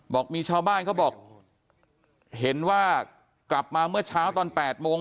บอกมีชาวบ้านเขาบอกเห็นว่ากลับมาเมื่อเช้าตอน๘โมง